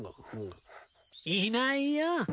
いないよ。